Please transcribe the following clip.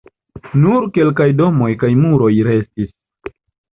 Nur kelkaj domoj kaj muroj restis.